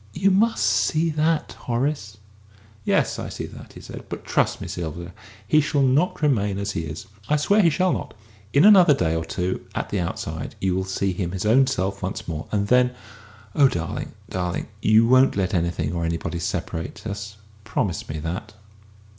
You must see that, Horace!" "Yes, I see that," he said; "but trust me, Sylvia, he shall not remain as he is. I swear he shall not. In another day or two, at the outside, you will see him his own self once more. And then oh, darling, darling, you won't let anything or anybody separate us? Promise me that!"